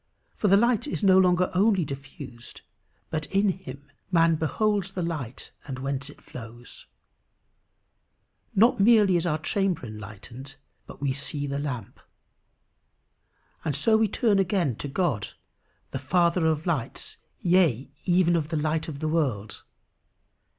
For the light is no longer only diffused, but in him man "beholds the light and whence it flows." Not merely is our chamber enlightened, but we see the lamp. And so we turn again to God, the Father of lights, yea even of The Light of the World.